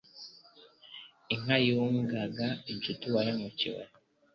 Inka yungaga inshuti uwa hemukiye